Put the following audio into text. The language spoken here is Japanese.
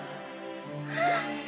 あっ！